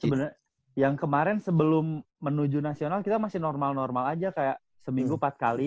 sebenarnya yang kemarin sebelum menuju nasional kita masih normal normal aja kayak seminggu empat kali